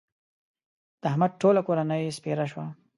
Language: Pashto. د احمد ټوله کورنۍ سپېره شوه.